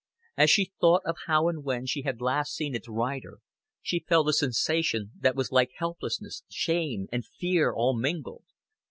As she thought of how and when she had last seen its rider, she felt a sensation that was like helplessness, shame, and fear all mingled.